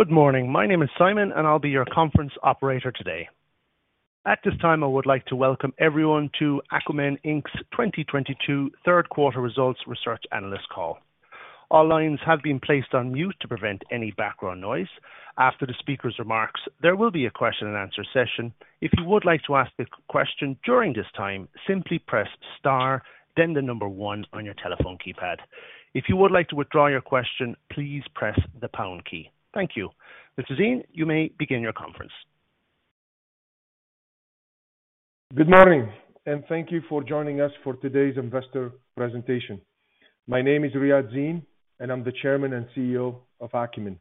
Good morning. My name is Simon, and I'll be your conference operator today. At this time, I would like to welcome everyone to Akumin Inc.'s 2022 third quarter results research analyst call. All lines have been placed on mute to prevent any background noise. After the speaker's remarks, there will be a question-and-answer session. If you would like to ask a question during this time, simply press star then the number one on your telephone keypad. If you would like to withdraw your question, please press the pound key. Thank you. Mr. Zine, you may begin your conference. Good morning, and thank you for joining us for today's investor presentation. My name is Riadh Zine, and I'm the Chairman and CEO of Akumin.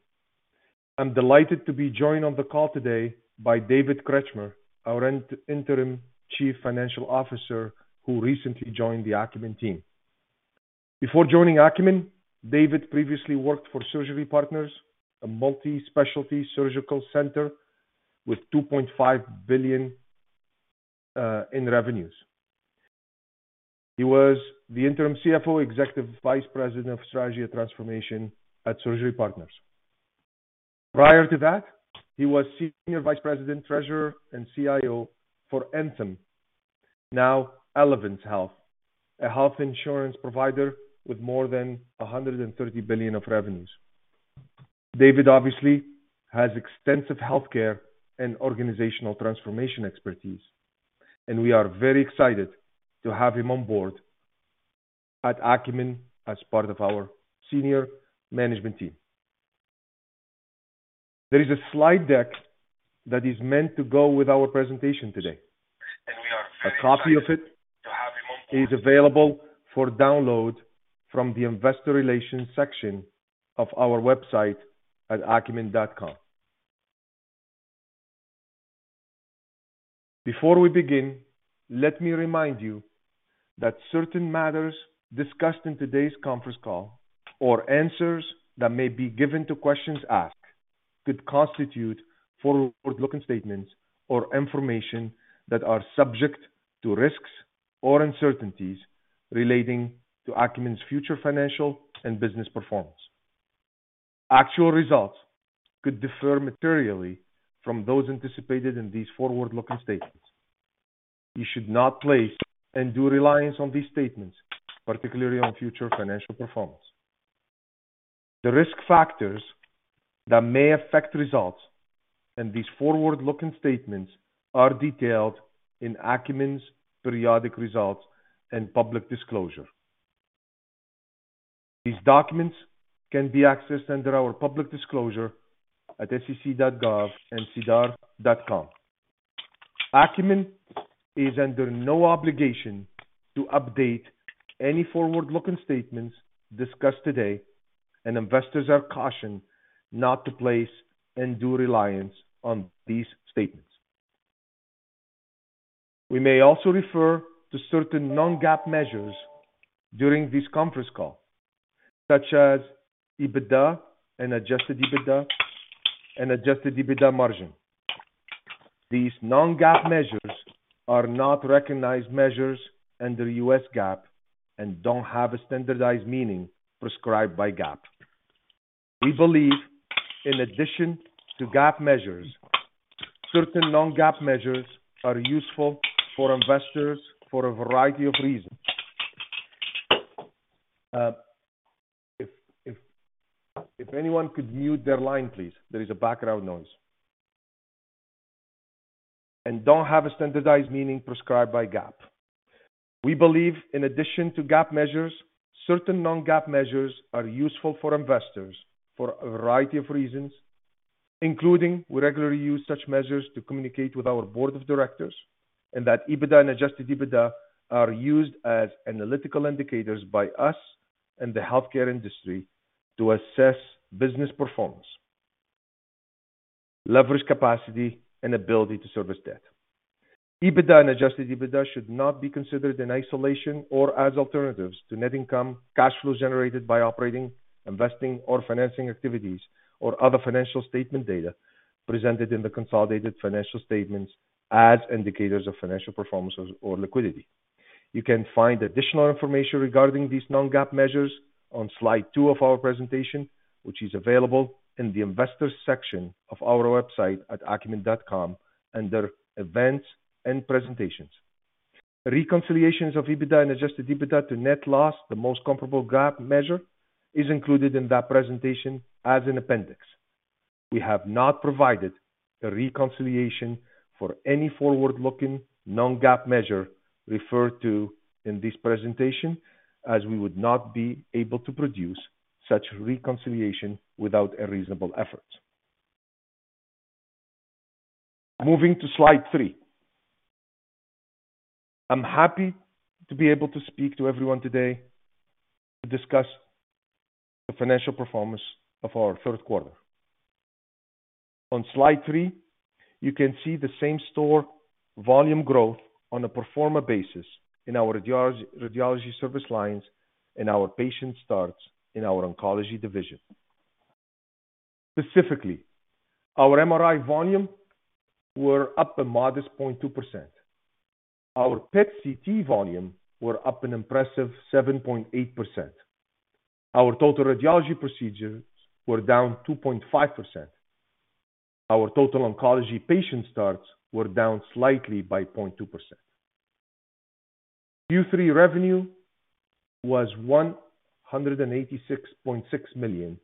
I'm delighted to be joined on the call today by David Kretschmer, our interim Chief Financial Officer, who recently joined the Akumin team. Before joining Akumin, David previously worked for Surgery Partners, a multi-specialty surgical center with $2.5 billion in revenues. He was the interim CFO, Executive Vice President of Strategy and Transformation at Surgery Partners. Prior to that, he was Senior Vice President, Treasurer, and CIO for Anthem, now Elevance Health, a health insurance provider with more than $130 billion of revenues. David obviously has extensive healthcare and organizational transformation expertise, and we are very excited to have him on board at Akumin as part of our senior management team. There is a slide deck that is meant to go with our presentation today. A copy of it is available for download from the investor relations section of our website at Akumin.com. Before we begin, let me remind you that certain matters discussed in today's conference call or answers that may be given to questions asked could constitute forward-looking statements or information that are subject to risks or uncertainties relating to Akumin's future financial and business performance. Actual results could differ materially from those anticipated in these forward-looking statements. You should not place undue reliance on these statements, particularly on future financial performance. The risk factors that may affect results and these forward-looking statements are detailed in Akumin's periodic results and public disclosure. These documents can be accessed under our public disclosure at sec.gov and sedar.com. Akumin is under no obligation to update any forward-looking statements discussed today, and investors are cautioned not to place undue reliance on these statements. We may also refer to certain non-GAAP measures during this conference call, such as EBITDA and Adjusted EBITDA and Adjusted EBITDA margin. These non-GAAP measures are not recognized measures under U.S. GAAP and don't have a standardized meaning prescribed by GAAP. We believe in addition to GAAP measures, certain non-GAAP measures are useful for investors for a variety of reasons. If anyone could mute their line, please. There is a background noise. Don't have a standardized meaning prescribed by GAAP. We believe in addition to GAAP measures, certain non-GAAP measures are useful for investors for a variety of reasons, including we regularly use such measures to communicate with our board of directors and that EBITDA and Adjusted EBITDA are used as analytical indicators by us and the healthcare industry to assess business performance, leverage capacity, and ability to service debt. EBITDA and Adjusted EBITDA should not be considered in isolation or as alternatives to net income, cash flows generated by operating, investing, or financing activities or other financial statement data presented in the consolidated financial statements as indicators of financial performance or liquidity. You can find additional information regarding these non-GAAP measures on slide two of our presentation which is available in the investor section of our website at akumin.com under events and presentations. Reconciliations of EBITDA and Adjusted EBITDA to net loss, the most comparable GAAP measure, is included in that presentation as an appendix. We have not provided a reconciliation for any forward-looking non-GAAP measure referred to in this presentation, as we would not be able to produce such reconciliation without a reasonable effort. Moving to slide three. I'm happy to be able to speak to everyone today to discuss the financial performance of our third quarter. On slide three, you can see the same store volume growth on a pro forma basis in our radiology service lines and our patient starts in our oncology division. Specifically, our MRI volume were up a modest 0.2%. Our PET-CT volume were up an impressive 7.8%. Our total radiology procedures were down 2.5%. Our total oncology patient starts were down slightly by 0.2%. Q3 revenue was $186.6 million,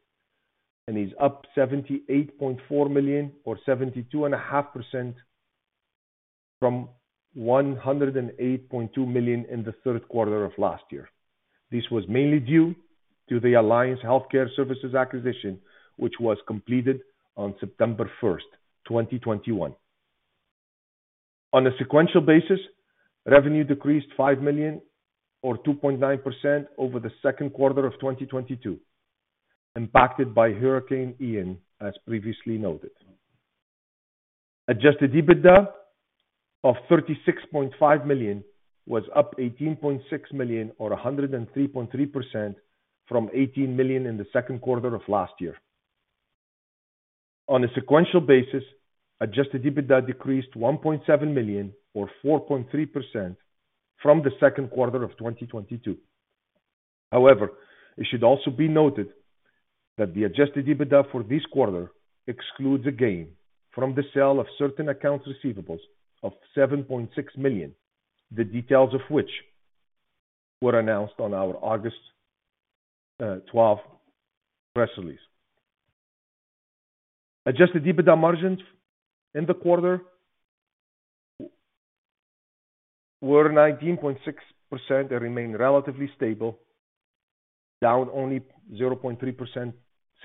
and is up $78.4 million or 72.5% from $108.2 million in the third quarter of last year. This was mainly due to the Alliance HealthCare Services acquisition, which was completed on September 1st, 2021. On a sequential basis, revenue decreased $5 million or 2.9% over the second quarter of 2022, impacted by Hurricane Ian, as previously noted. Adjusted EBITDA of $36.5 million was up $18.6 million or 103.3% from $18 million in the second quarter of last year. On a sequential basis, Adjusted EBITDA decreased $1.7 million or 4.3% from the second quarter of 2022. However, it should also be noted that the Adjusted EBITDA for this quarter excludes a gain from the sale of certain accounts receivable of $7.6 million, the details of which were announced on our August 12 press release. Adjusted EBITDA margins in the quarter were 19.6% and remain relatively stable, down only 0.3%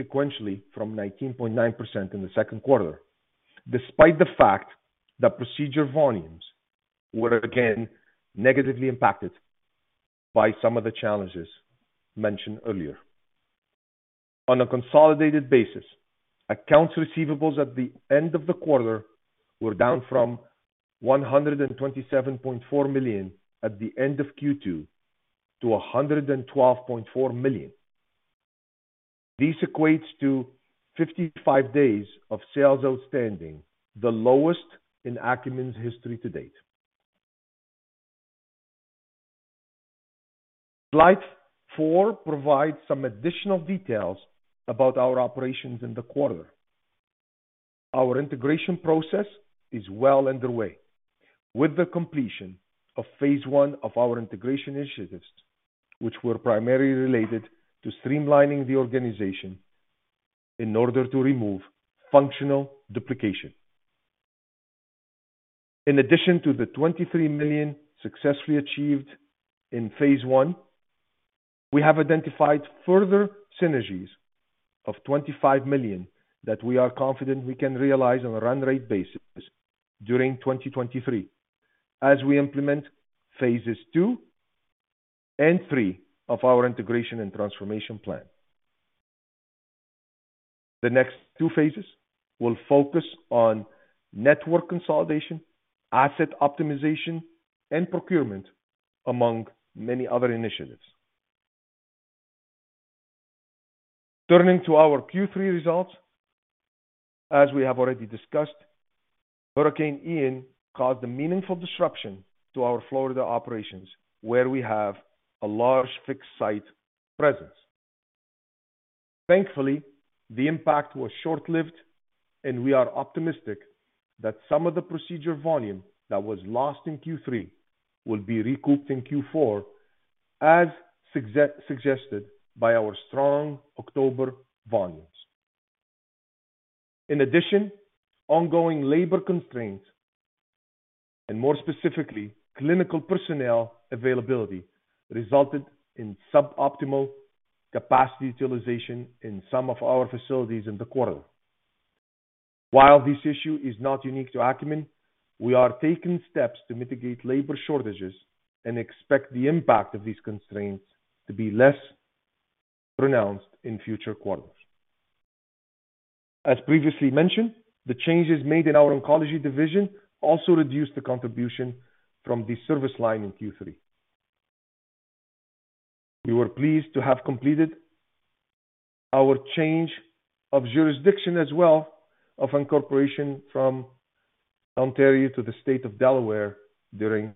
sequentially from 19.9% in the second quarter, despite the fact that procedure volumes were again negatively impacted by some of the challenges mentioned earlier. On a consolidated basis, accounts receivable at the end of the quarter were down from $127.4 million at the end of Q2 to $112.4 million. This equates to 55 days of sales outstanding, the lowest in Akumin's history to date. Slide four provides some additional details about our operations in the quarter. Our integration process is well underway with the completion of phase one of our integration initiatives, which were primarily related to streamlining the organization in order to remove functional duplication. In addition to the $23 million successfully achieved in phase one, we have identified further synergies of $25 million that we are confident we can realize on a run rate basis during 2023 as we implement phases two and three of our integration and transformation plan. The next two phases will focus on network consolidation, asset optimization, and procurement, among many other initiatives. Turning to our Q3 results. As we have already discussed, Hurricane Ian caused a meaningful disruption to our Florida operations, where we have a large fixed site presence. Thankfully, the impact was short-lived, and we are optimistic that some of the procedure volume that was lost in Q3 will be recouped in Q4 as suggested by our strong October volumes. In addition, ongoing labor constraints, and more specifically, clinical personnel availability, resulted in suboptimal capacity utilization in some of our facilities in the quarter. While this issue is not unique to Akumin, we are taking steps to mitigate labor shortages and expect the impact of these constraints to be less pronounced in future quarters. As previously mentioned, the changes made in our oncology division also reduced the contribution from the service line in Q3. We were pleased to have completed our change of jurisdiction as well as of incorporation from Ontario to the state of Delaware during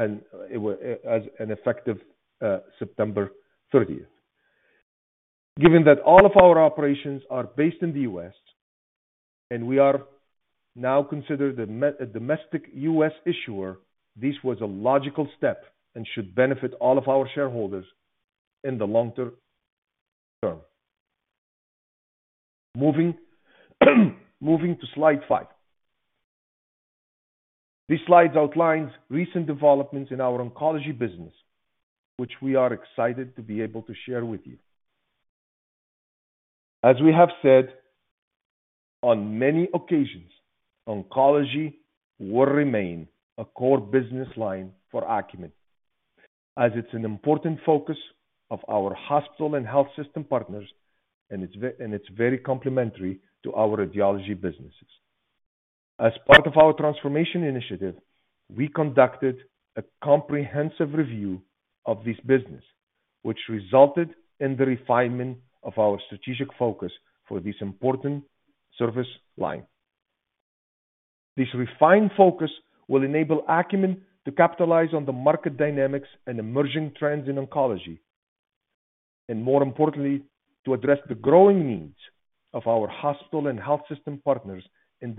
this quarter and it was effective September 30th. Given that all of our operations are based in the U.S., and we are now considered a domestic U.S. issuer, this was a logical step and should benefit all of our shareholders in the long term. Moving to slide five. This slide outlines recent developments in our oncology business, which we are excited to be able to share with you. As we have said on many occasions, oncology will remain a core business line for Akumin, as it's an important focus of our hospital and health system partners, and it's very complementary to our radiology businesses. As part of our transformation initiative, we conducted a comprehensive review of this business which resulted in the refinement of our strategic focus for this important service line. This refined focus will enable Akumin to capitalize on the market dynamics and emerging trends in oncology, and more importantly, to address the growing needs of our hospital and health system partners in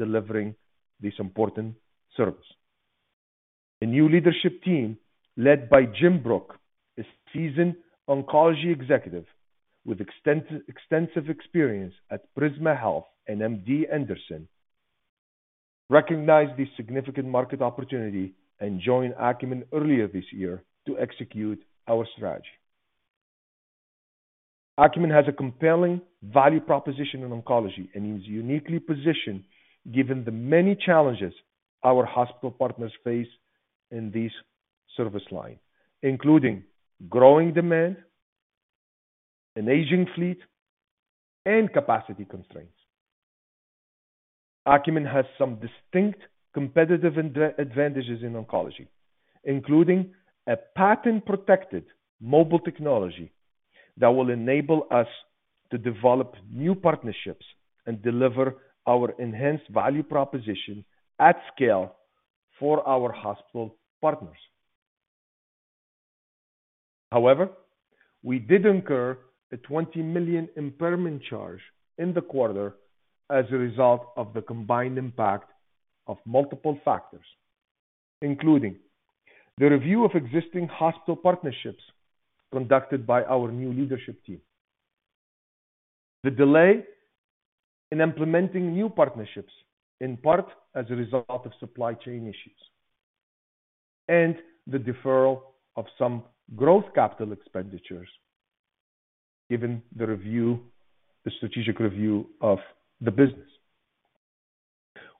delivering this important service. A new leadership team led by Jim Brooke, a seasoned oncology executive with extensive experience at Prisma Health and MD Anderson, recognized this significant market opportunity and joined Akumin earlier this year to execute our strategy. Akumin has a compelling value proposition in oncology and is uniquely positioned given the many challenges our hospital partners face in this service line, including growing demand, an aging fleet, and capacity constraints. Akumin has some distinct competitive advantages in oncology, including a patent-protected mobile technology that will enable us to develop new partnerships and deliver our enhanced value proposition at scale for our hospital partners. However, we did incur a $20 million impairment charge in the quarter as a result of the combined impact of multiple factors, including the review of existing hospital partnerships conducted by our new leadership team, the delay in implementing new partnerships, in part as a result of supply chain issues, and the deferral of some growth capital expenditures, given the review, the strategic review of the business.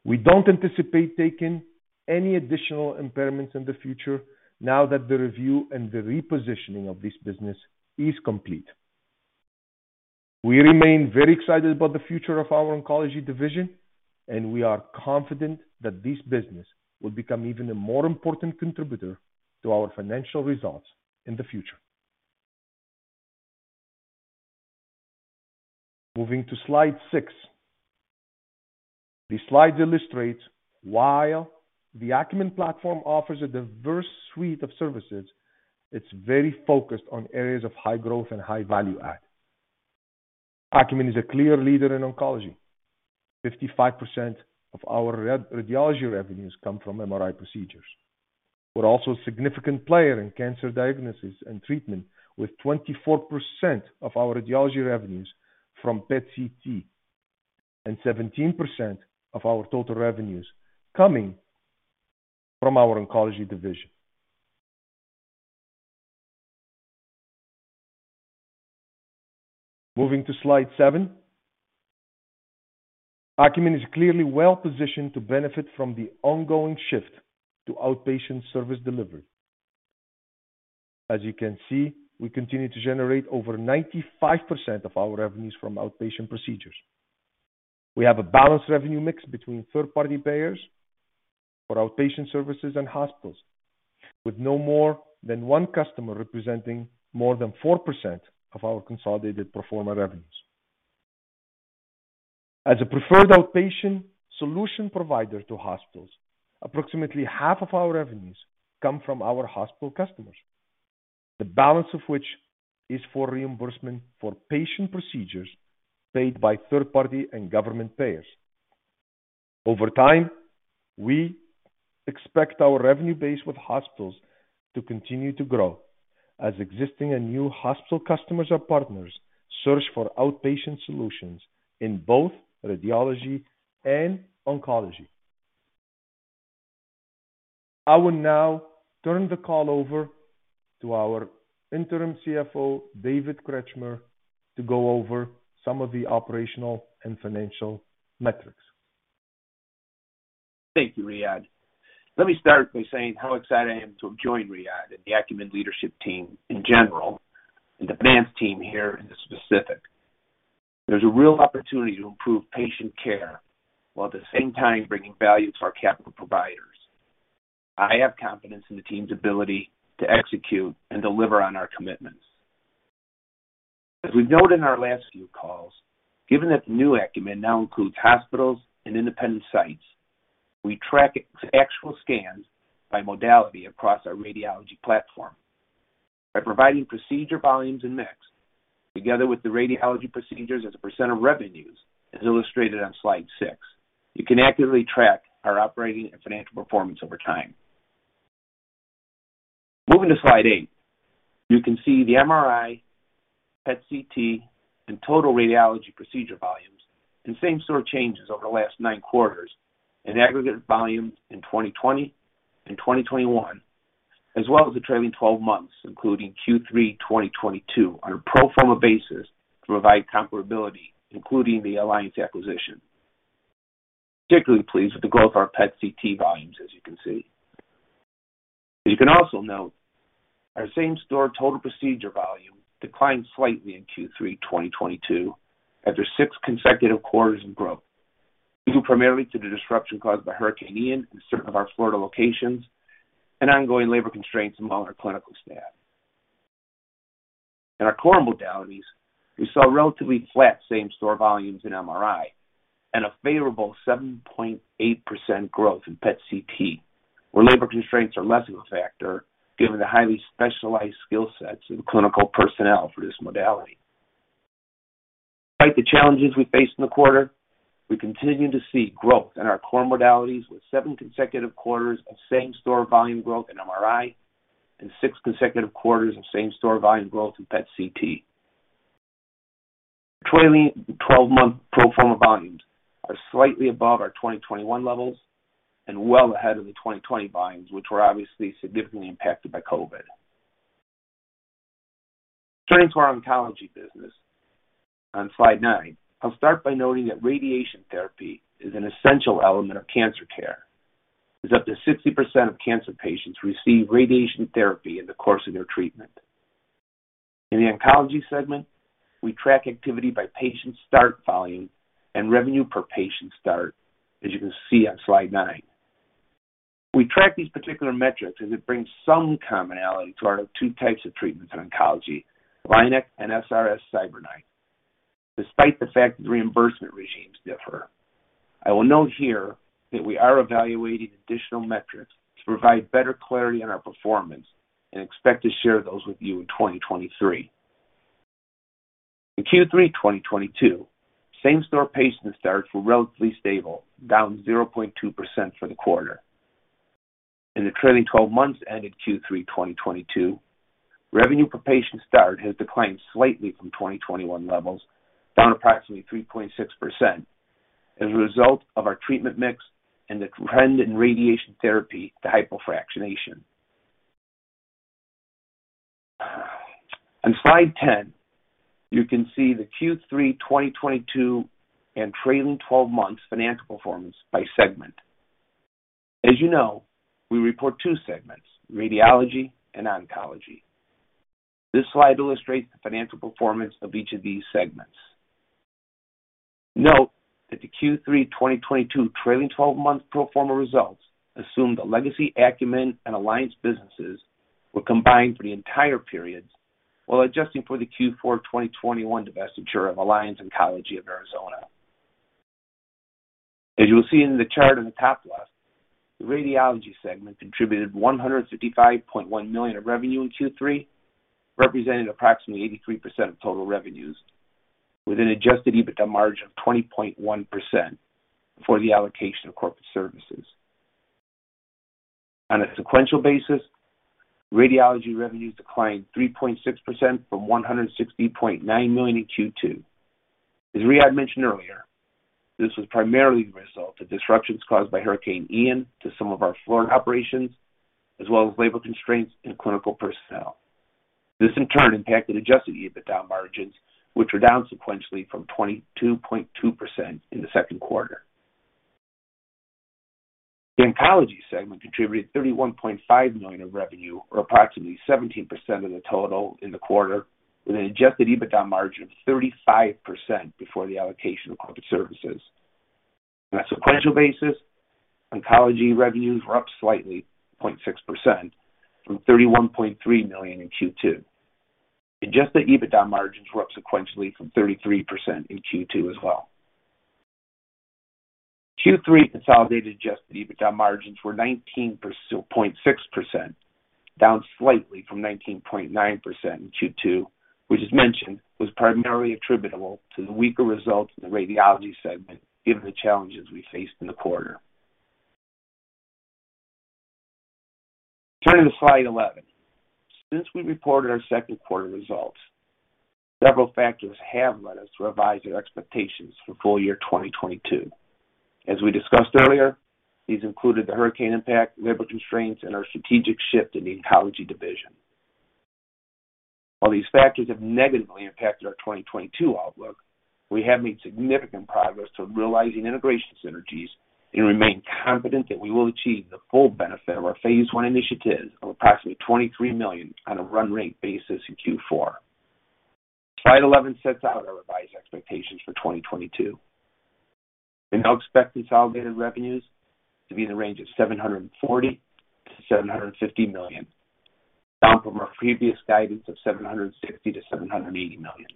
We don't anticipate taking any additional impairments in the future now that the review and the repositioning of this business is complete. We remain very excited about the future of our oncology division, and we are confident that this business will become even a more important contributor to our financial results in the future. Moving to slide six. This slide illustrates while the Akumin platform offers a diverse suite of services, it's very focused on areas of high growth and high value add. Akumin is a clear leader in oncology. 55% of our radiology revenues come from MRI procedures. We're also a significant player in cancer diagnosis and treatment, with 24% of our radiology revenues from PET-CT, and 17% of our total revenues coming from our oncology division. Moving to slide seven. Akumin is clearly well-positioned to benefit from the ongoing shift to outpatient service delivery. As you can see, we continue to generate over 95% of our revenues from outpatient procedures. We have a balanced revenue mix between third-party payers for outpatient services and hospitals, with no more than one customer representing more than 4% of our consolidated pro forma revenues. As a preferred outpatient solution provider to hospitals, approximately half of our revenues come from our hospital customers, the balance of which is for reimbursement for patient procedures paid by third party and government payers. Over time, we expect our revenue base with hospitals to continue to grow as existing and new hospital customers or partners search for outpatient solutions in both radiology and oncology. I will now turn the call over to our Interim CFO, David Kretschmer, to go over some of the operational and financial metrics. Thank you, Riadh. Let me start by saying how excited I am to have joined Riadh and the Akumin leadership team in general, and the finance team here in specific. There's a real opportunity to improve patient care while at the same time bringing value to our capital providers. I have confidence in the team's ability to execute and deliver on our commitments. As we've noted in our last few calls, given that the new Akumin now includes hospitals and independent sites, we track actual scans by modality across our radiology platform. By providing procedure volumes and mix together with the radiology procedures as a % of revenues as illustrated on slide six, you can accurately track our operating and financial performance over time. Moving to slide eight. You can see the MRI, PET-CT, and total radiology procedure volumes in same-store changes over the last nine quarters in aggregate volume in 2020 and 2021, as well as the trailing twelve months, including Q3 2022 on a pro forma basis to provide comparability, including the Alliance acquisition. Particularly pleased with the growth of our PET-CT volumes as you can see. As you can also note, our same-store total procedure volume declined slightly in Q3 2022 after six consecutive quarters of growth due primarily to the disruption caused by Hurricane Ian in certain of our Florida locations and ongoing labor constraints among our clinical staff. In our core modalities, we saw relatively flat same store volumes in MRI and a favorable 7.8% growth in PET-CT, where labor constraints are less of a factor given the highly specialized skill sets of clinical personnel for this modality. Despite the challenges we faced in the quarter, we continue to see growth in our core modalities, with seven consecutive quarters of same store volume growth in MRI and six consecutive quarters of same store volume growth in PET-CT. Trailing 12-month pro forma volumes are slightly above our 2021 levels and well ahead of the 2020 volumes, which were obviously significantly impacted by COVID. Turning to our oncology business on slide nine. I'll start by noting that radiation therapy is an essential element of cancer care, as up to 60% of cancer patients receive radiation therapy in the course of their treatment. In the oncology segment, we track activity by patient start volume and revenue per patient start as you can see on slide nine. We track these particular metrics as it brings some commonality to our two types of treatments in oncology, LINAC and SRS CyberKnife. Despite the fact that reimbursement regimes differ. I will note here that we are evaluating additional metrics to provide better clarity on our performance and expect to share those with you in 2023. In Q3 2022, same-store patient starts were relatively stable, down 0.2% for the quarter. In the trailing twelve months ended Q3 2022, revenue per patient start has declined slightly from 2021 levels, down approximately 3.6% as a result of our treatment mix and the trend in radiation therapy to hypofractionation. On slide 10, you can see the Q3 2022 and trailing 12 months financial performance by segment. As you know, we report two segments, radiology and oncology. This slide illustrates the financial performance of each of these segments. Note that the Q3 2022 trailing twelve month pro forma results assume the legacy Akumin and Alliance businesses were combined for the entire period, while adjusting for the Q4 2021 divestiture of Alliance Oncology of Arizona. As you'll see in the chart on the top left, the radiology segment contributed $155.1 million of revenue in Q3, representing approximately 83% of total revenues with an Adjusted EBITDA margin of 20.1% before the allocation of corporate services. On a sequential basis, radiology revenues declined 3.6% from $160.9 million in Q2. Riadh mentioned earlier, this was primarily the result of disruptions caused by Hurricane Ian to some of our Florida operations, as well as labor constraints and clinical personnel. This in turn impacted Adjusted EBITDA margins, which were down sequentially from 22.2% in the second quarter. The oncology segment contributed $31.5 million of revenue, or approximately 17% of the total in the quarter, with an Adjusted EBITDA margin of 35% before the allocation of corporate services. On a sequential basis, oncology revenues were up slightly, 0.6%, from $31.3 million in Q2. Adjusted EBITDA margins were up sequentially from 33% in Q2 as well. Q3 consolidated Adjusted EBITDA margins were 19.6%, down slightly from 19.9% in Q2, which as mentioned, was primarily attributable to the weaker results in the radiology segment given the challenges we faced in the quarter. Turning to slide 11. Since we reported our second quarter results, several factors have led us to revise our expectations for full year 2022. As we discussed earlier, these included the hurricane impact, labor constraints, and our strategic shift in the oncology division. While these factors have negatively impacted our 2022 outlook, we have made significant progress toward realizing integration synergies and remain confident that we will achieve the full benefit of our phase one initiatives of approximately $23 million on a run rate basis in Q4. Slide 11 sets out our revised expectations for 2022. We now expect consolidated revenues to be in the range of $740 million-$750 million, down from our previous guidance of $760 million-$780 million.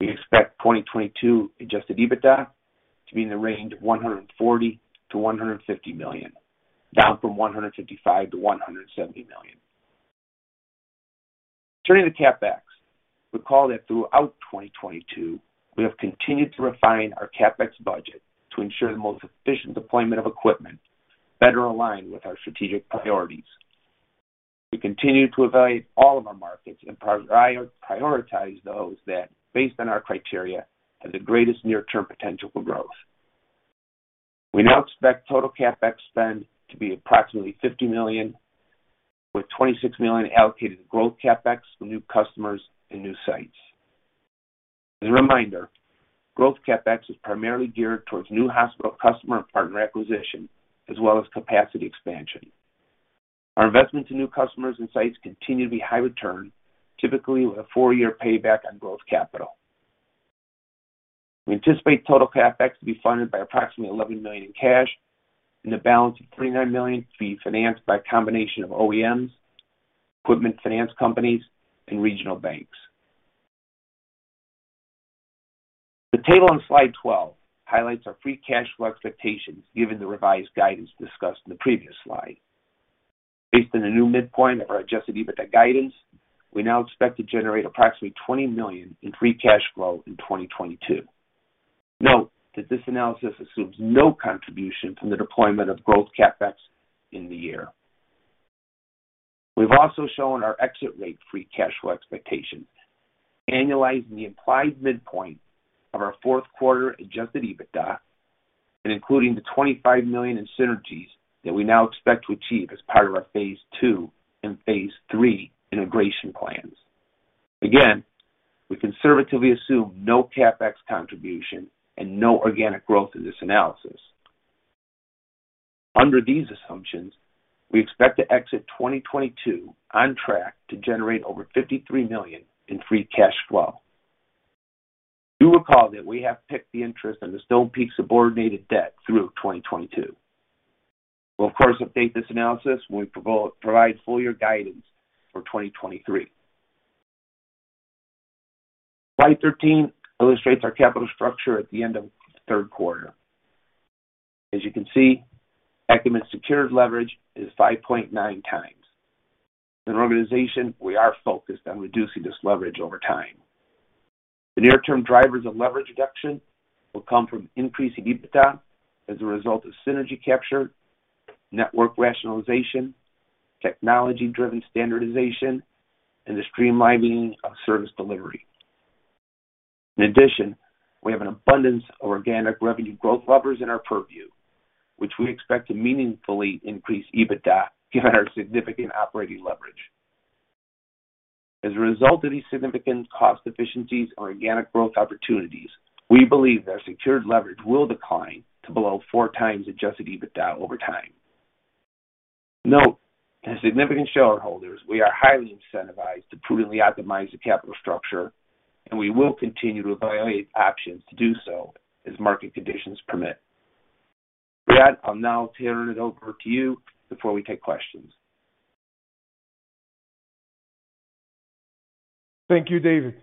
We expect 2022 Adjusted EBITDA to be in the range of $140 million-$150 million, down from $155 million-$170 million. Turning to CapEx. Recall that throughout 2022 we have continued to refine our CapEx budget to ensure the most efficient deployment of equipment better aligned with our strategic priorities. We continue to evaluate all of our markets and prioritize those that, based on our criteria, have the greatest near term potential for growth. We now expect total CapEx spend to be approximately $50 million, with $26 million allocated to growth CapEx for new customers and new sites. As a reminder, growth CapEx is primarily geared towards new hospital customer and partner acquisition as well as capacity expansion. Our investment to new customers and sites continue to be high return, typically with a four year payback on growth capital. We anticipate total CapEx to be funded by approximately $11 million in cash, and the balance of $39 million to be financed by a combination of OEMs, equipment finance companies, and regional banks. The table on slide 12 highlights our free cash flow expectations given the revised guidance discussed in the previous slide. Based on the new midpoint of our Adjusted EBITDA guidance, we now expect to generate approximately $20 million in free cash flow in 2022. Note that this analysis assumes no contribution from the deployment of growth CapEx in the year. We've also shown our exit rate free cash flow expectations, annualizing the implied midpoint of our fourth quarter Adjusted EBITDA and including the $25 million in synergies that we now expect to achieve as part of our phase two and phase three integration plans. Again, we conservatively assume no CapEx contribution and no organic growth in this analysis. Under these assumptions, we expect to exit 2022 on track to generate over $53 million in free cash flow. Do recall that we have picked the interest on the Stonepeak subordinated debt through 2022. We'll of course update this analysis when we provide full year guidance for 2023. Slide 13 illustrates our capital structure at the end of third quarter. As you can see, Akumin's secured leverage is 5.9x. As an organization, we are focused on reducing this leverage over time. The near-term drivers of leverage reduction will come from increasing EBITDA as a result of synergy capture, network rationalization, technology-driven standardization, and the streamlining of service delivery. In addition, we have an abundance of organic revenue growth levers in our purview, which we expect to meaningfully increase EBITDA given our significant operating leverage. As a result of these significant cost efficiencies and organic growth opportunities, we believe that our secured leverage will decline to below 4x Adjusted EBITDA over time. Note, as significant shareholders, we are highly incentivized to prudently optimize the capital structure, and we will continue to evaluate options to do so as market conditions permit. With that, I'll now turn it over to you before we take questions. Thank you, David.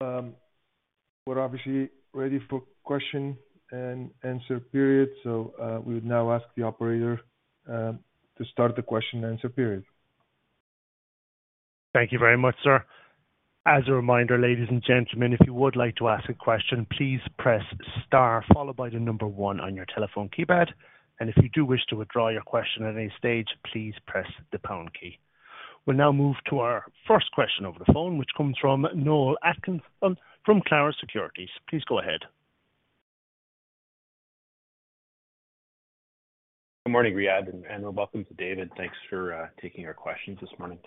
We're obviously ready for question and answer period, so we would now ask the operator to start the question-and-answer period. Thank you very much, sir. As a reminder, ladies and gentlemen, if you would like to ask a question, please press star followed by the number one on your telephone keypad. If you do wish to withdraw your question at any stage, please press the pound key. We'll now move to our first question over the phone, which comes from Noel Atkinson from Clarus Securities. Please go ahead. Good morning, Riadh, and welcome to David. Thanks for taking our questions this morning.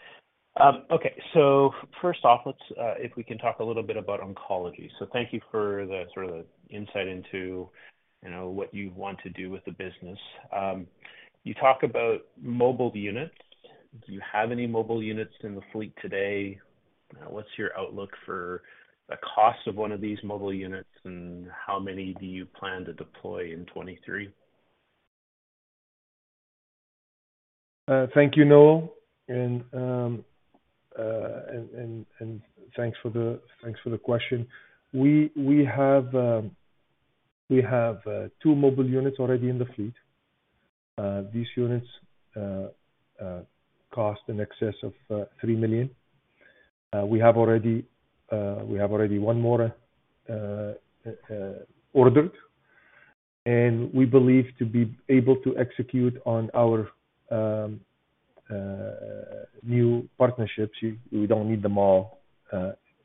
Okay. First off, let's if we can talk a little bit about oncology. Thank you for the sort of insight into, you know, what you want to do with the business. You talk about mobile units. Do you have any mobile units in the fleet today? What's your outlook for the cost of one of these mobile units, and how many do you plan to deploy in 2023? Thank you, Noel. Thanks for the question. We have two mobile units already in the fleet. These units cost in excess of $3 million. We have already one more ordered. We believe to be able to execute on our new partnerships. We don't need them all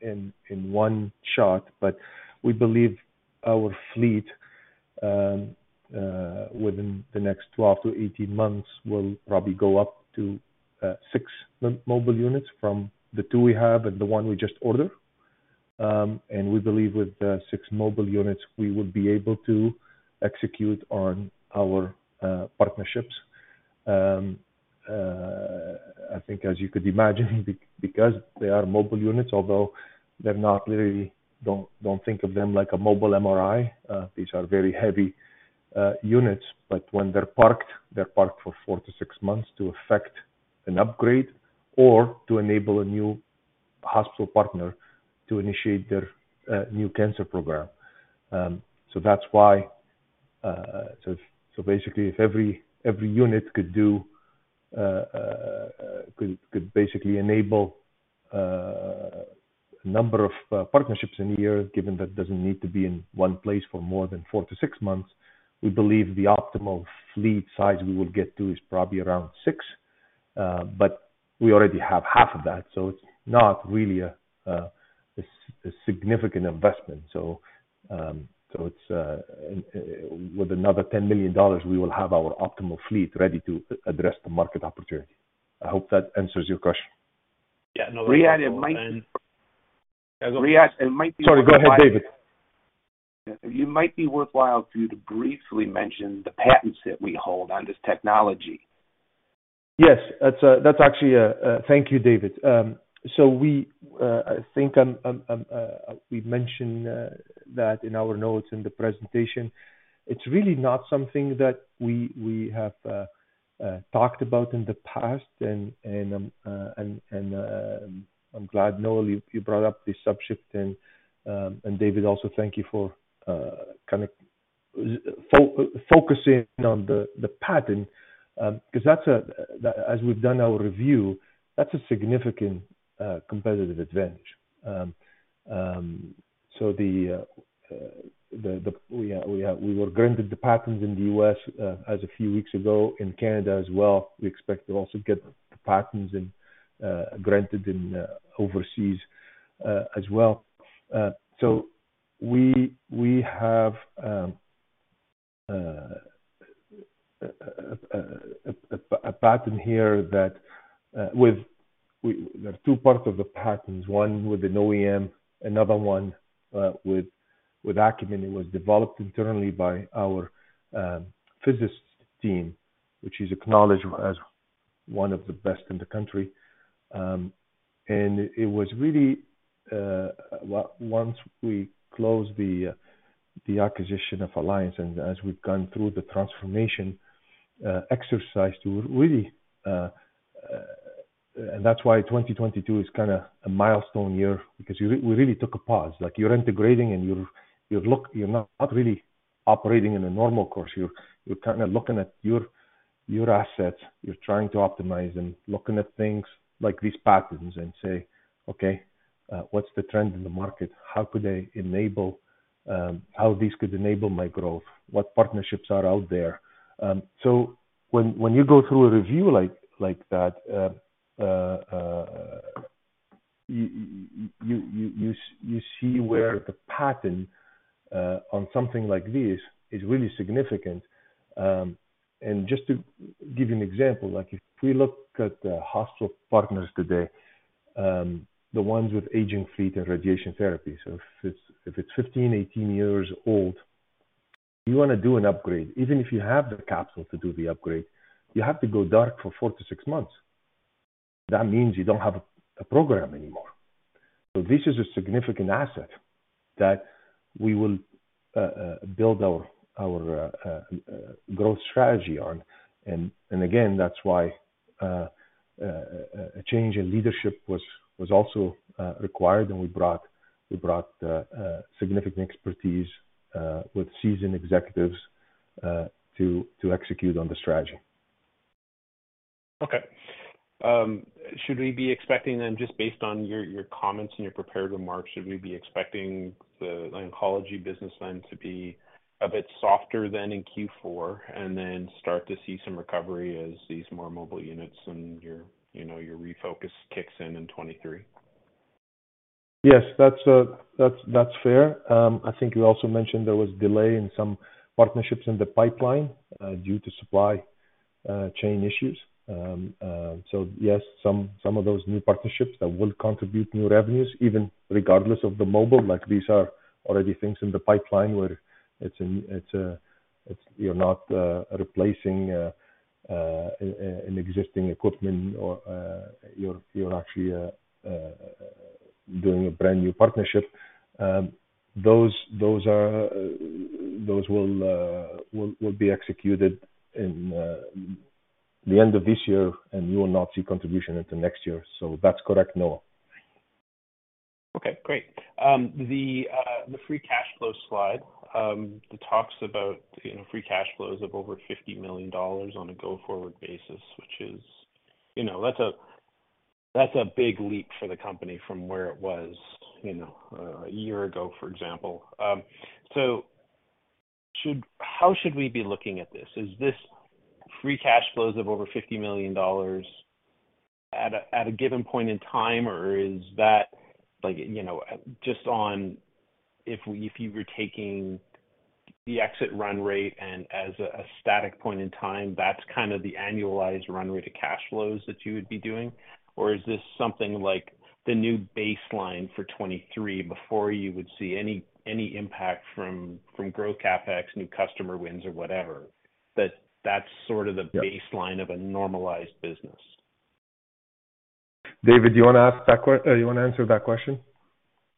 in one shot, but we believe our fleet within the next 12-18 months will probably go up to six mobile units from the two we have and the one we just ordered. We believe with the six mobile units we would be able to execute on our partnerships. I think as you could imagine, because they are mobile units, although they're not really. Don't think of them like a mobile MRI. These are very heavy units. When they're parked, they're parked for four to six months to effect an upgrade or to enable a new hospital partner to initiate their new cancer program. That's why, basically, if every unit could basically enable a number of partnerships in a year, given that it doesn't need to be in one place for more than four to six months, we believe the optimal fleet size we would get to is probably around six. We already have half of that, so it's not really a significant investment. With another $10 million, we will have our optimal fleet ready to address the market opportunity. I hope that answers your question. Yeah, no. Riadh, it might be. Go ahead. Riadh, it might be. Sorry, go ahead, David. It might be worthwhile for you to briefly mention the patents that we hold on this technology. Yes. That's actually. Thank you, David. So, I think we've mentioned that in our notes in the presentation. It's really not something that we have talked about in the past. I'm glad, Noel, you brought up the subject. David, thank you for kind of focusing on the patent because, as we've done our review, that's a significant competitive advantage. We were granted the patents in the U.S. just a few weeks ago in Canada as well. We expect to also get the patents granted overseas as well. We have a patent here that with. There are two parts of the patents, one with an OEM, another one with Akumin. It was developed internally by our physicist team, which is acknowledged as one of the best in the country. It was really once we closed the acquisition of Alliance and as we've gone through the transformation exercise to really. That's why 2022 is kinda a milestone year, because we really took a pause. Like, you're integrating and you look. You're not really operating in a normal course. You're kinda looking at your assets. You're trying to optimize and looking at things like these patents and say, "Okay, what's the trend in the market? How could I enable, how this could enable my growth? What partnerships are out there?" When you go through a review like that, you see where the patent on something like this is really significant. Just to give you an example, like if we look at the hospital partners today, the ones with aging fleet and radiation therapy. If it's 15, 18 years old, you wanna do an upgrade. Even if you have the capital to do the upgrade, you have to go dark for four to six months. That means you don't have a program anymore. This is a significant asset that we will build our growth strategy on. Again, that's why a change in leadership was also required. We brought significant expertise with seasoned executives to execute on the strategy. Okay. Just based on your comments and your prepared remarks, should we be expecting the oncology business then to be a bit softer than in Q4 and then start to see some recovery as these more mobile units and your, you know, your refocus kicks in in 2023? Yes. That's fair. I think you also mentioned there was delay in some partnerships in the pipeline due to supply chain issues. Yes, some of those new partnerships that will contribute new revenues, even regardless of the mobile, like these are already things in the pipeline where it's you're not replacing an existing equipment or you're actually doing a brand-new partnership. Those will be executed in the end of this year, and you will not see contribution until next year. That's correct, Noel. Okay, great. The free cash flow slide, it talks about, you know, free cash flows of over $50 million on a go-forward basis, which is, you know, that's a big leap for the company from where it was, you know, a year ago, for example. How should we be looking at this? Is this free cash flows of over $50 million at a given point in time, or is that like, you know, just on if you were taking the exit run rate and as a static point in time, that's kind of the annualized run rate of cash flows that you would be doing? Or is this something like the new baseline for 2023 before you would see any impact from growth CapEx, new customer wins or whatever? That's sort of the. Yeah. Baseline of a normalized business. David, do you wanna answer that question?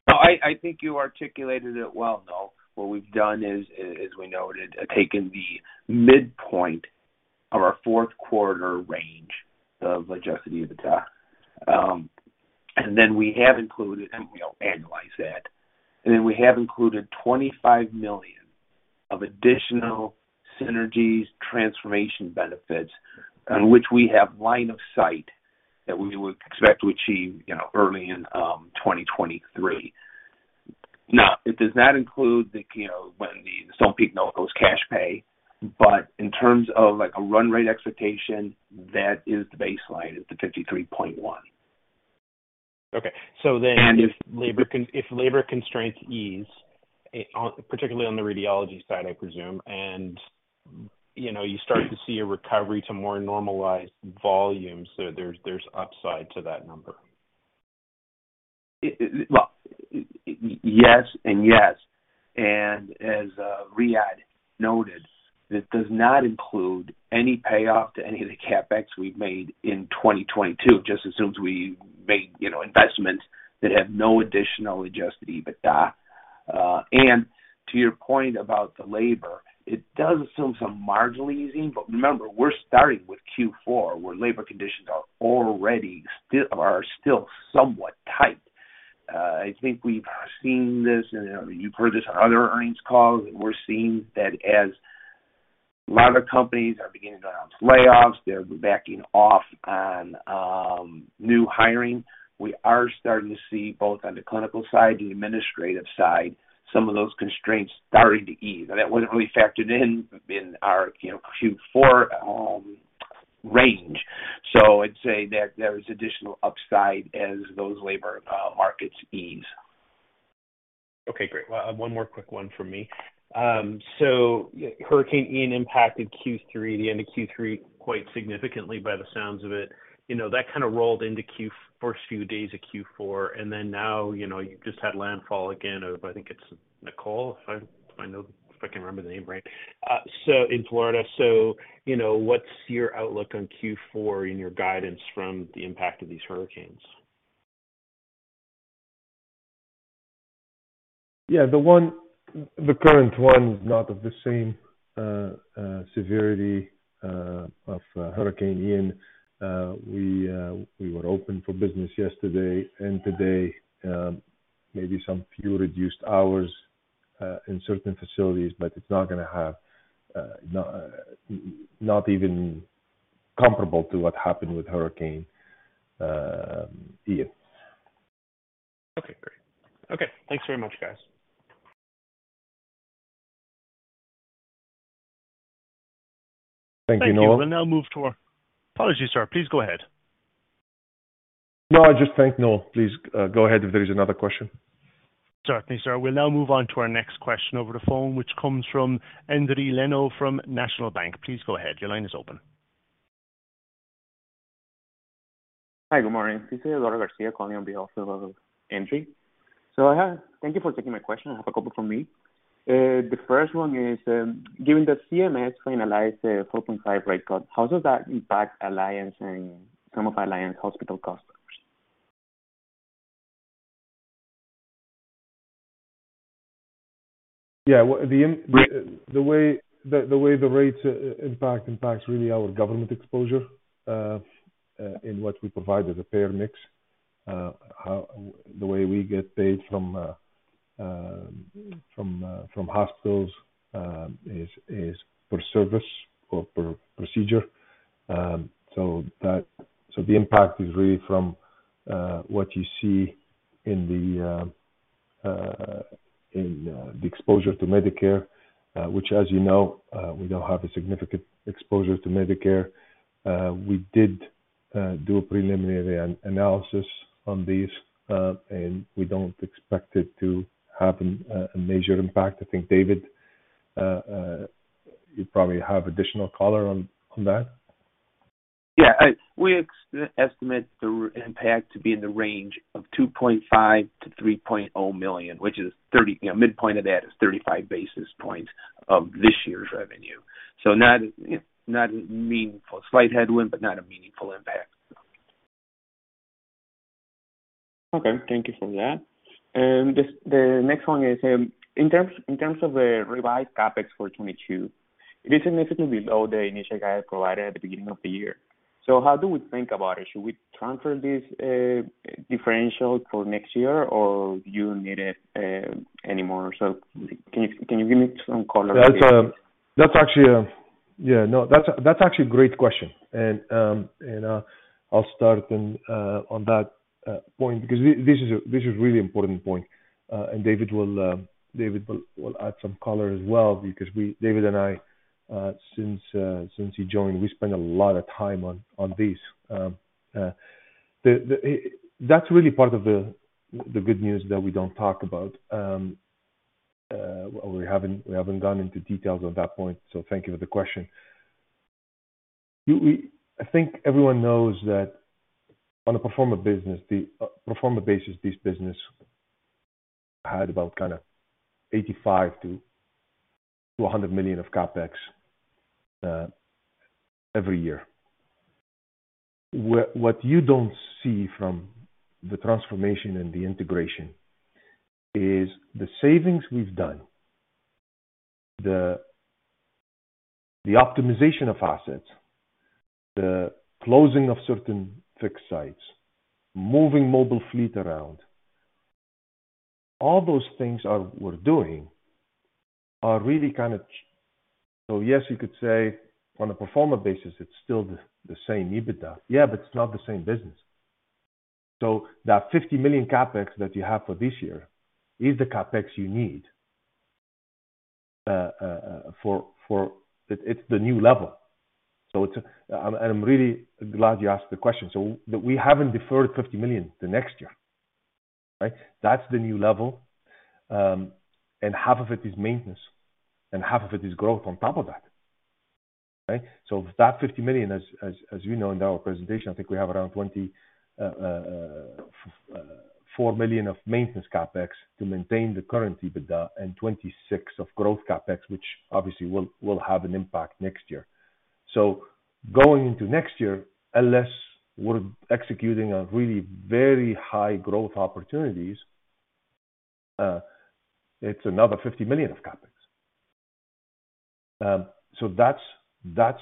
No, I think you articulated it well, Noel. What we've done is, as we noted, taken the midpoint of our fourth quarter range of Adjusted EBITDA. We have included, and we'll annualize that, and then we have included $25 million of additional synergies transformation benefits on which we have line of sight that we would expect to achieve, you know, early in 2023. Now, it does not include the, you know, when some people note those cash pay. But in terms of like a run rate expectation, that is the baseline, the $53.1 million. Okay. And if- If labor constraints ease, particularly on the radiology side, I presume, and, you know, you start to see a recovery to more normalized volumes, so there's upside to that number? Well, yes and yes. As Riadh noted, it does not include any payoff to any of the CapEx we've made in 2022, just assumes we made, you know, investments that have no additional Adjusted EBITDA. To your point about the labor, it does assume some marginal easing, but remember, we're starting with Q4, where labor conditions are already still somewhat tight. I think we've seen this, and you've heard this on other earnings calls, we're seeing that as a lot of companies are beginning to announce layoffs, they're backing off on new hiring. We are starting to see both on the clinical side, the administrative side, some of those constraints starting to ease. That wasn't really factored in in our, you know, Q4 range. I'd say that there is additional upside as those labor markets ease. Okay, great. Well, one more quick one from me. So Hurricane Ian impacted Q3, the end of Q3 quite significantly by the sounds of it. You know, that kind of rolled into Q4, first few days of Q4, and then now, you know, you've just had landfall again of I think it's Nicole, if I can remember the name right, so in Florida. You know, what's your outlook on Q4 in your guidance from the impact of these hurricanes? Yeah. The current one is not of the same severity of Hurricane Ian. We were open for business yesterday and today, maybe some few reduced hours in certain facilities, but it's not gonna have not even comparable to what happened with Hurricane Ian. Okay, great. Okay, thanks very much, guys. Thank you, Noel. Thank you. Apologies, sir. Please go ahead. No, I just thanked Noel. Please, go ahead if there is another question. Certainly, sir. We'll now move on to our next question over the phone, which comes from Endri Leno from National Bank. Please go ahead. Your line is open. Hi. Good morning. This is Eduardo Garcia calling on behalf of Endri. Thank you for taking my question. I have a couple from me. The first one is, given that CMS finalized the 4.5% rate cut, how does that impact Alliance and some of Alliance hospital customers? Yeah. Well, the way the rates impact really our government exposure in what we provide as a payer mix. The way we get paid from hospitals is per service or per procedure. So the impact is really from what you see in the exposure to Medicare, which, as you know, we don't have a significant exposure to Medicare. We did do a preliminary analysis on these, and we don't expect it to have a major impact. I think, David, you probably have additional color on that. We estimate the impact to be in the range of $2.5 million-$3.0 million, which is 30, you know, midpoint of that is 35 basis points of this year's revenue. Not meaningful, slight headwind, but not a meaningful impact. Okay. Thank you for that. Just the next one is in terms of the revised CapEx for 2022. It is significantly below the initial guidance provided at the beginning of the year. How do we think about it? Should we transfer this differential for next year or do you need it anymore? Can you give me some color there? That's actually a great question. I'll start on that point because this is a really important point. David will add some color as well because David and I, since he joined, spend a lot of time on this. That's really part of the good news that we don't talk about. We haven't gone into details on that point, so thank you for the question. I think everyone knows that on a pro forma basis, this business had about kinda $85 million-$100 million of CapEx every year. What you don't see from the transformation and the integration is the savings we've done, the optimization of assets, the closing of certain fixed sites, moving mobile fleet around. All those things we're doing are really kind of. So yes, you could say on a pro forma basis, it's still the same EBITDA. Yeah, but it's not the same business. So that $50 million CapEx that you have for this year is the CapEx you need for. It's the new level. I'm really glad you asked the question. So we haven't deferred $50 million to next year, right? That's the new level. And half of it is maintenance, and half of it is growth on top of that. Right? That $50 million, as you know, in our presentation, I think we have around $24 million of maintenance CapEx to maintain the current EBITDA and $26 million of growth CapEx, which obviously will have an impact next year. Going into next year, unless we're executing a really very high growth opportunities, it's another $50 million of CapEx. That's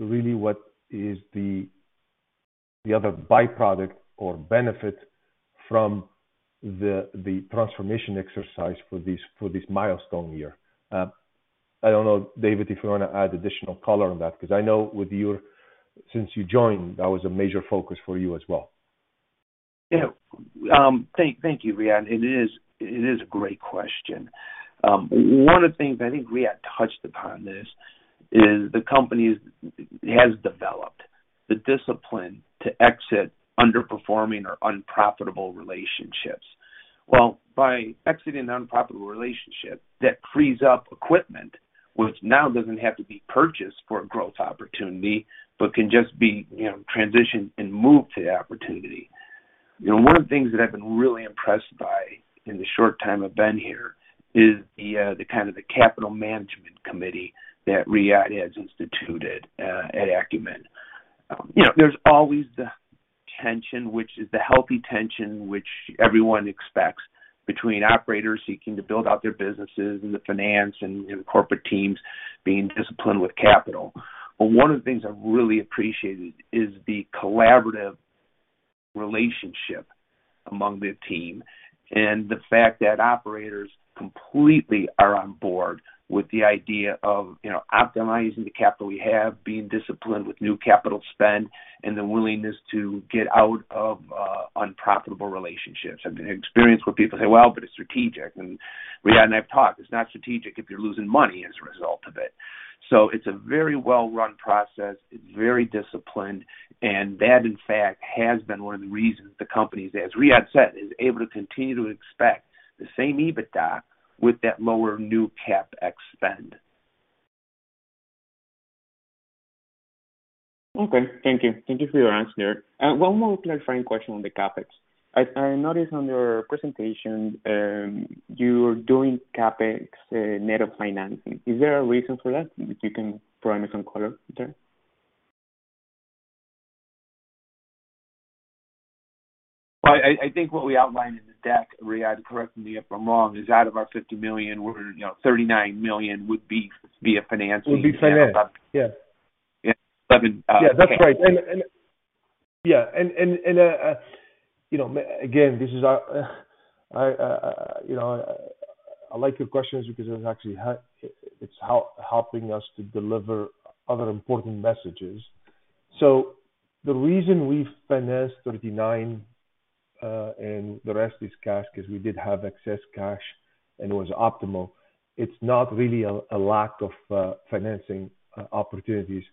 really what is the other byproduct or benefit from the transformation exercise for this milestone year. I don't know, David, if you wanna add additional color on that, because I know with your since you joined, that was a major focus for you as well. Yeah. Thank you, Riadh. It is a great question. One of the things I think Riadh touched upon is the company has developed the discipline to exit underperforming or unprofitable relationships. Well, by exiting an unprofitable relationship, that frees up equipment, which now doesn't have to be purchased for a growth opportunity, but can just be, you know, transitioned and moved to the opportunity. You know, one of the things that I've been really impressed by in the short time I've been here is the kind of capital management committee that Riadh has instituted at Akumin. You know, there's always the tension, which is the healthy tension which everyone expects between operators seeking to build out their businesses and the finance and, you know, corporate teams being disciplined with capital. One of the things I've really appreciated is the collaborative relationship among the team and the fact that operators completely are on board with the idea of, you know, optimizing the capital we have, being disciplined with new capital spend, and the willingness to get out of unprofitable relationships. I've experienced where people say, "Well, but it's strategic." Riadh and I have talked, it's not strategic if you're losing money as a result of it. It's a very well-run process. It's very disciplined. That, in fact, has been one of the reasons the company, as Riadh said, is able to continue to expect the same EBITDA with that lower new CapEx spend. Okay. Thank you. Thank you for your answer. One more clarifying question on the CapEx. I noticed on your presentation, you're doing CapEx net of financing. Is there a reason for that that you can provide me some color there? Well, I think what we outlined in the deck, Riadh, correct me if I'm wrong, is out of our $50 million we're, you know, $39 million would be via financing. Would be financed. Yeah. Yeah. Seven. Yeah. That's right. You know, again, I like your questions because it actually is helping us to deliver other important messages. The reason we financed $39 and the rest is cash, 'cause we did have excess cash, and it was optimal. It's not really a lack of financing opportunities.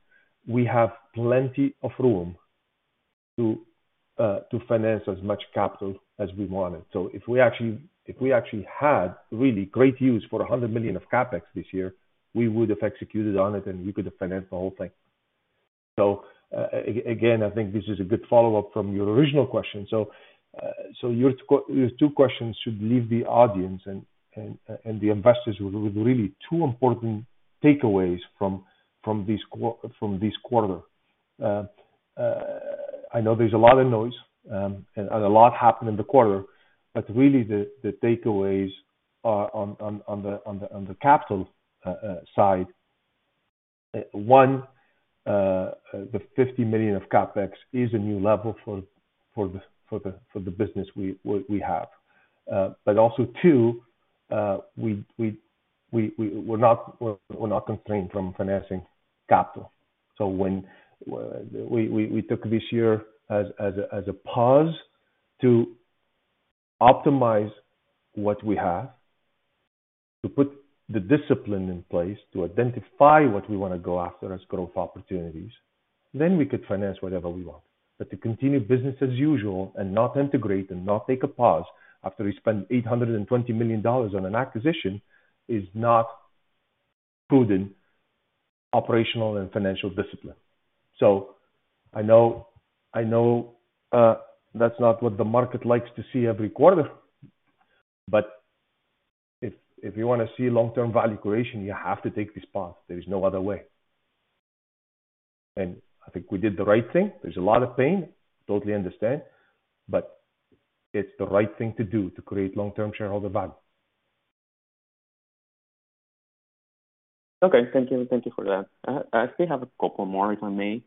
We have plenty of room to finance as much capital as we wanted. If we actually had really great use for $100 million of CapEx this year, we would have executed on it, and we could have financed the whole thing. Again, I think this is a good follow-up from your original question. Your two questions should leave the audience and the investors with really two important takeaways from this quarter. I know there's a lot of noise, and a lot happened in the quarter, but really the takeaways are on the capital side. One, the $50 million of CapEx is a new level for the business we have. But also two, we're not constrained from financing capital. When we took this year as a pause to optimize what we have, to put the discipline in place to identify what we wanna go after as growth opportunities, then we could finance whatever we want. To continue business as usual and not integrate and not take a pause after we spend $820 million on an acquisition is not prudent operational and financial discipline. I know that's not what the market likes to see every quarter, but if you wanna see long-term value creation, you have to take this path. There is no other way. I think we did the right thing. There's a lot of pain, totally understand, but it's the right thing to do to create long-term shareholder value. Okay. Thank you. Thank you for that. I still have a couple more, if I may.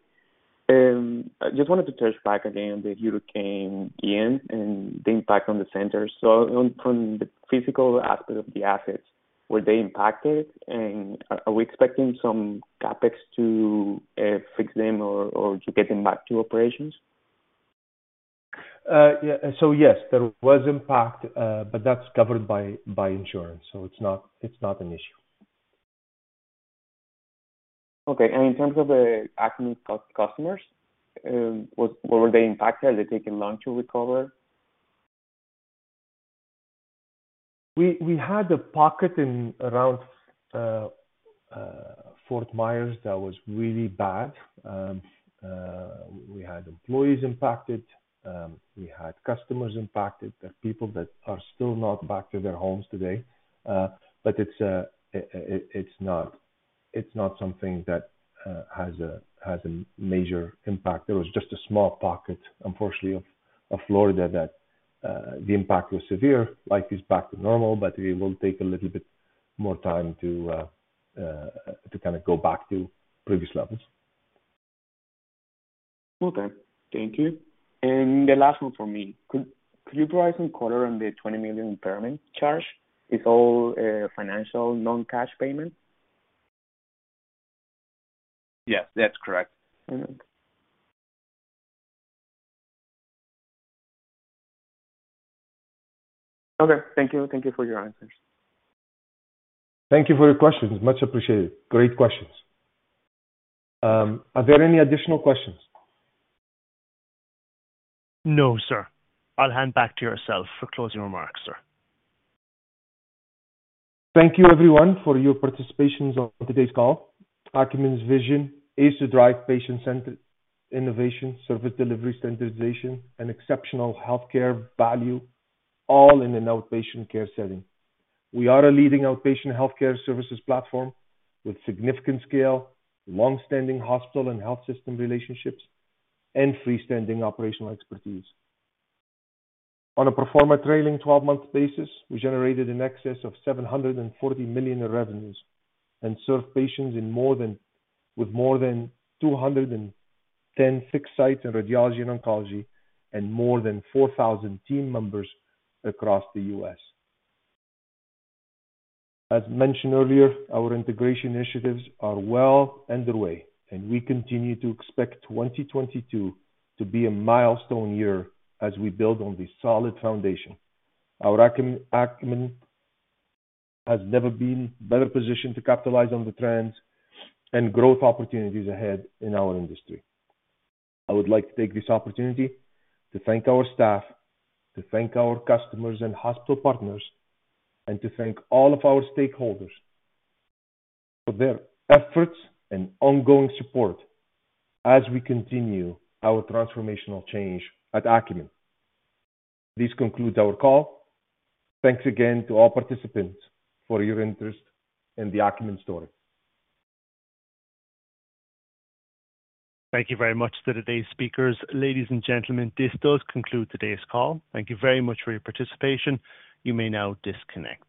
I just wanted to touch back again the Hurricane Ian and the impact on the centers. From the physical aspect of the assets, were they impacted? Are we expecting some CapEx to fix them or to get them back to operations? Yeah. Yes, there was impact, but that's covered by insurance, so it's not an issue. Okay. In terms of the Akumin customers, were they impacted? Are they taking long to recover? We had a pocket in around Fort Myers that was really bad. We had employees impacted. We had customers impacted. The people that are still not back to their homes today. It's not something that has a major impact. There was just a small pocket, unfortunately, of Florida that the impact was severe. Life is back to normal, but it will take a little bit more time to kinda go back to previous levels. Okay. Thank you. The last one from me. Could you provide some color on the $20 million impairment charge? It's all, financial non-cash payment? Yes, that's correct. Okay. Thank you. Thank you for your answers. Thank you for your questions. Much appreciated. Great questions. Are there any additional questions? No, sir. I'll hand back to yourself for closing remarks, sir. Thank you everyone for your participation on today's call. Akumin's vision is to drive patient-centered innovation, service delivery standardization, and exceptional healthcare value, all in an outpatient care setting. We are a leading outpatient healthcare services platform with significant scale, long-standing hospital and health system relationships, and freestanding operational expertise. On a pro forma trailing 12-month basis, we generated in excess of $740 million in revenues and served patients with more than 210 fixed sites in radiology and oncology and more than 4,000 team members across the U.S. As mentioned earlier, our integration initiatives are well underway, and we continue to expect 2022 to be a milestone year as we build on this solid foundation. Our Akumin has never been better positioned to capitalize on the trends and growth opportunities ahead in our industry. I would like to take this opportunity to thank our staff, to thank our customers and hospital partners, and to thank all of our stakeholders for their efforts and ongoing support as we continue our transformational change at Akumin. This concludes our call. Thanks again to all participants for your interest in the Akumin story. Thank you very much to today's speakers. Ladies and gentlemen, this does conclude today's call. Thank you very much for your participation. You may now disconnect.